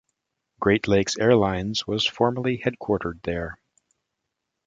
Great Lakes Airlines was formerly headquartered there.